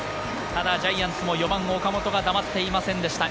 ただジャイアンツも４番・岡本が黙っていませんでした。